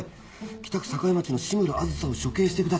「北区栄町の志村梓を処刑してください！